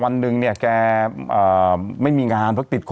สวัสดีครับคุณผู้ชม